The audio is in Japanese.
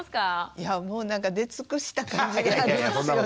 いやもうなんか出尽くした感じがありますよね。